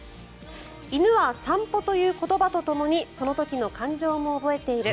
犬は散歩という言葉とともにその時の感情も覚えている。